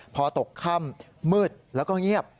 พอตกค่ำมืดแล้วก็เงียบ